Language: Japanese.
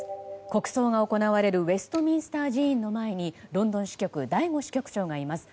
国葬が行われるウェストミンスター寺院の前にロンドン支局醍醐支局長がいます。